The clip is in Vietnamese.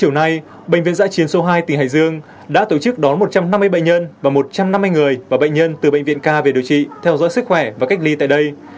chiều nay bệnh viện giã chiến số hai tỉnh hải dương đã tổ chức đón một trăm năm mươi bệnh nhân và một trăm năm mươi người và bệnh nhân từ bệnh viện ca về điều trị theo dõi sức khỏe và cách ly tại đây